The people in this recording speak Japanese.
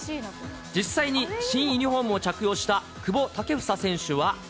実際に新ユニホームを着用した久保建英選手は。